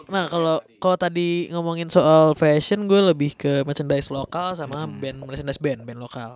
nah kalau tadi ngomongin soal fashion gue lebih ke merchandise lokal sama band merchandise band band lokal